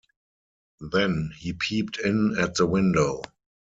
Then he peeped in at the window.